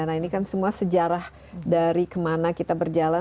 nah ini kan semua sejarah dari kemana kita berjalan